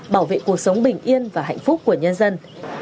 bảo vệ cuộc sống bình yên và hạnh phúc của nhân dân